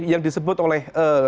yang disebut oleh